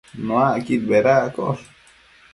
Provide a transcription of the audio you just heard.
Nuacquid bedaccosh